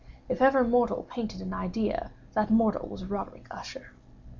If ever mortal painted an idea, that mortal was Roderick Usher.